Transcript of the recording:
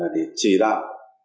để chỉ đạo